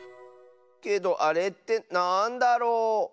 けどあれってなんだろう。